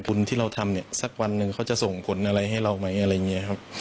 บุญที่เราทำสักวันหนึ่งเขาจะส่งผลอะไรให้เราไหม